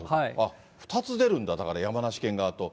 ２つ出るんだ、だから山梨県側と。